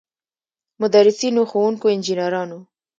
مدرسینو، ښوونکو، انجنیرانو.